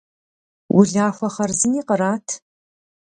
Улахуэ хъарзыни кърат.